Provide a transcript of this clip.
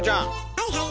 はいはい。